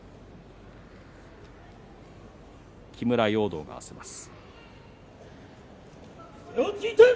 木村容堂が合わせます。